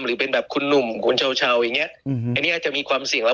หรือเป็นแบบคุณหนุ่มคุณเช้าอย่างเงี้ยอืมอันนี้อาจจะมีความเสี่ยงแล้ว